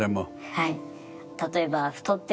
はい。